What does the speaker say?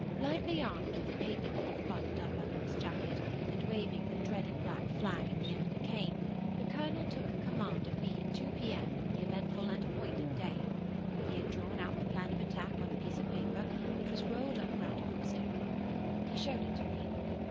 Lightly armed with a paper knife buttoned up under his jacket, and waving the dreaded black flag at the end of a cane, the colonel took command of me at two P.M. on the eventful and appointed day. He had drawn out the plan of attack on a piece of paper, which was rolled up round a hoop stick. He showed it to me.